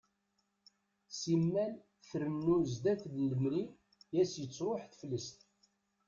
Simmal trennu sdat n lemri i as-tettruḥ teflest.